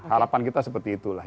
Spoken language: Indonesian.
harapan kita seperti itulah